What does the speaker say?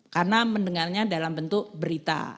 karena mendengarnya dalam bentuk berita